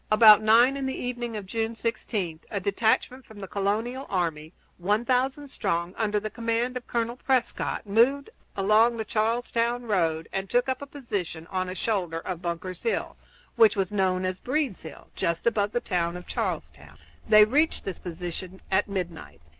About nine in the evening of June 16 a detachment from the colonial army, one thousand strong, under the command of Colonel Prescott, moved along the Charlestown road and took up a position on a shoulder of Bunker's Hill, which was known as Breed's Hill, just above the town of Charlestown. They reached this position at midnight.